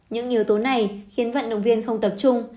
những yếu tố này khiến vận động viên không tập trung